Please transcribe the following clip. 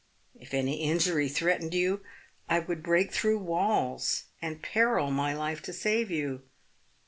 If any injury threatened you, I would break through walls, and peril my life to save you.